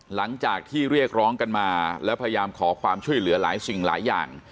หลังจากที่เรียกร้องกันมาแล้วพยายามขอความช่วยเหลือหลายสิ่งหลายอย่าง